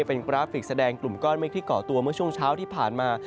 เป็นกราฟิกแสดงกลุ่มก้อนเมฆที่เกาะตัวเมื่อช่วงเช้าที่ผ่านมา